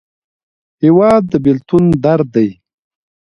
هېواد د بېلتون درد دی.